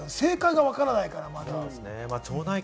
正解がわからないから。